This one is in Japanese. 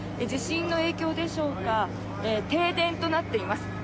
地震の影響でしょうか停電となっています。